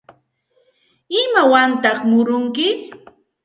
¿Imawantaq murunki?